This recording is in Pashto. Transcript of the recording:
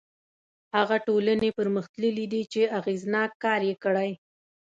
هغه ټولنې پرمختللي دي چې اغېزناک کار یې کړی.